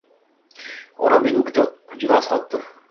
Onamning ugiti juda asqotdi: